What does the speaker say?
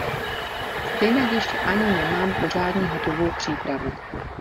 Stejnak ještě ani nemám pořadně hotovou přípravu.